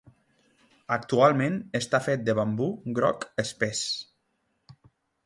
Actualment està fet de bambú groc espès.